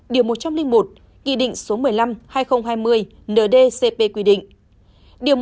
điều một trăm linh một nghị định số một mươi năm hai nghìn hai mươi ndcp quy định